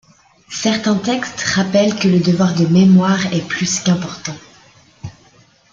Certains textes rappellent que le devoir de mémoire est plus qu'important.